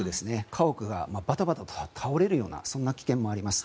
家屋がバタバタ倒れるようなそんな危険もあります。